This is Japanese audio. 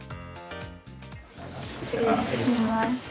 失礼します。